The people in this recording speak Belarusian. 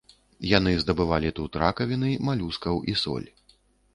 Яны здабывалі тут ракавіны малюскаў і соль.